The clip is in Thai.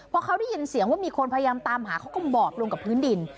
พอเขาได้ยินเสียงว่ามีคนพยายามตามหาเขาก็บอบลงกับพื้นดิน